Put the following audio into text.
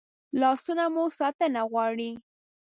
لاسونه مو ساتنه غواړي